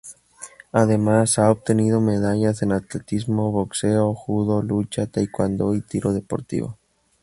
Además, ha obtenido medallas en atletismo, boxeo, judo, lucha, taekwondo y tiro deportivo.